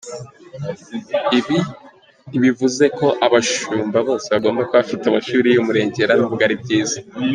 Ibi ntibivuze ko abashumba bose bagomba kuba bafite amashuri y’umurengera nubwo ari byiza.